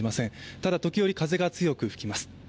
ただ時折、風が強く吹きます。